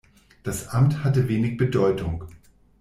Das Amt hatte wenig Bedeutung.